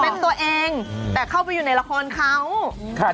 เป็นตัวเองแต่เข้าไปอยู่ในละครเขาครับ